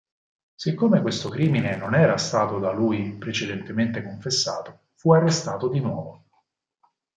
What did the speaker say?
Siccome questo crimine non era stato da lui precedentemente confessato, fu arrestato di nuovo.